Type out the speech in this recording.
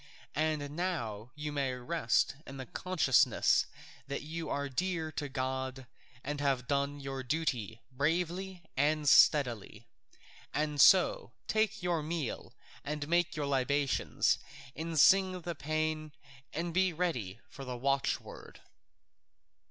And now you may rest in the consciousness that you are dear to God and have done your duty bravely and steadily, and so take your meal and make your libations and sing the paean and be ready for the watchword."